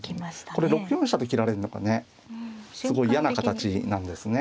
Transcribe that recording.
これ６四飛車と切られるのがねすごい嫌な形なんですね。